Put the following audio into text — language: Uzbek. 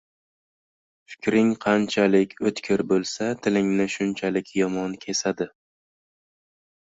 Fikring qanchalik o‘tkir bo‘lsa, tilingni shunchalik yomon kesadi.